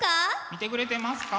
見てくれてますか？